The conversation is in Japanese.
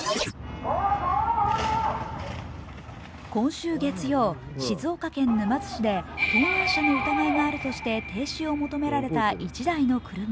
今週月曜、静岡県沼津市で盗難車の疑いがあるとして停止を求められた１台の車。